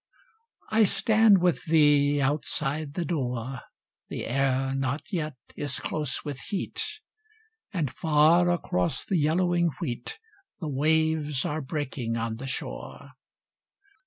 I stand with thee outside the door, The air not yet is close with heat, And far across the yellowing wheat The waves are breaking on the shore.